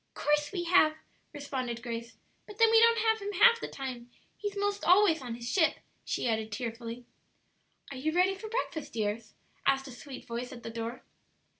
"'Course we have," responded Grace; "but then we don't have him half the time; he's 'most always on his ship," she added tearfully. "Are you ready for breakfast, dears?" asked a sweet voice at the door.